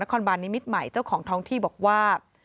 คอบาลนิมิตรใหม่เจ้าของท้องที่บอกว่า